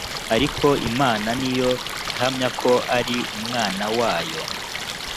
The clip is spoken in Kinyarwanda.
ariko imana ni yo ihamya ko ari umwana wayo